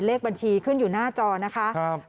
เลขบัญชีขึ้นอยู่หน้าจอนะคะ